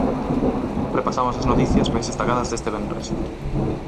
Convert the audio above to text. Repasamos as noticias máis destacadas deste venres.